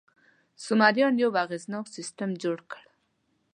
سومریان یو اغېزناک سیستم جوړ کړ.